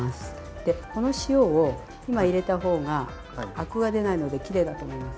でこの塩を今入れた方がアクが出ないのできれいだと思います。